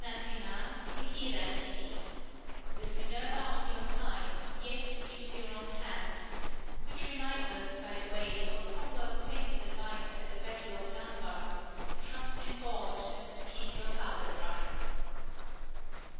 dtivq km Xe'ipa Kivei (" With Minerva on your side, yet use your own hand "), which reminds us, by the way, of Cromwell's famous advice at the Battle of Dunbar, " Trust in God and keep your powder dry."